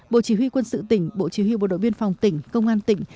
bộ chỉ huy quân sự tỉnh bộ chỉ huy bộ đội biên phòng tỉnh công an tỉnh